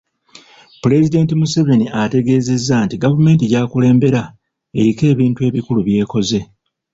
Pulezidenti Museveni ategeezezza nti gavumenti gy'akulembera eriko ebintu ebikulu byekoze.